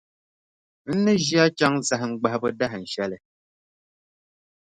N ni ʒi a chaŋ zahim gbahibu dahinshɛli.